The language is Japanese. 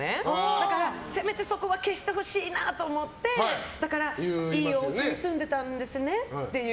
だから、せめてそこは消してほしいなと思っていいおうちに住んでいたんですねっていう。